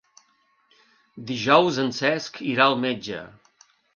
Dijous en Cesc irà al metge.